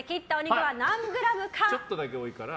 果たしてちょっとだけ多いから。